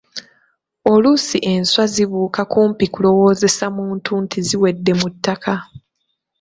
Oluusi enswa zibuuka kumpi kulowoozesa muntu nti ziwedde mu ttaka.